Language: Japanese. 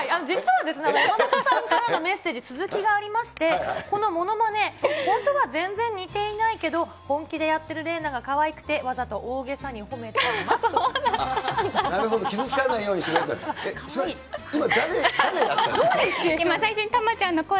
実はですね、山本さんからのメッセージ、続きがありまして、このものまね、本当は全然似ていないけど、本気でやってる玲奈がかわいくて、そうだったんだ。